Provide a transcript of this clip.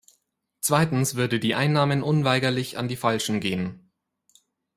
Zweitens würde die Einnahmen unweigerlich an die Falschen gehen.